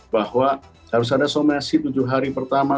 bahwa harus ada somasi tujuh hari pertama